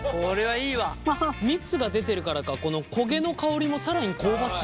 蜜が出てるからかこの焦げの香りも更に香ばしい。